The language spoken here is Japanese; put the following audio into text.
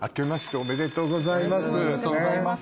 おめでとうございます。